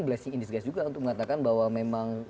blessing in disguise juga untuk mengatakan bahwa memang